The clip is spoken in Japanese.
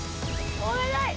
お願い！